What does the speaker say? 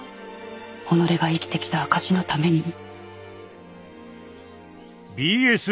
己が生きてきた証しのためにも。